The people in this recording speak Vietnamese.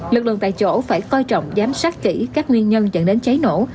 lực lượng tại chỗ phải coi trọng giám sát kỹ các nguyên nhân dẫn đến cháy nổ